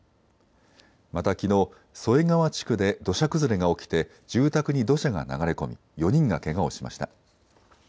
またきのう添川地区で土砂崩れが起きて、住宅に土砂が流れ込み４人がけがをしました。